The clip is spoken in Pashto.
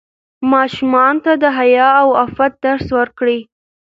ماشومانو ته د حیا او عفت درس ورکړئ.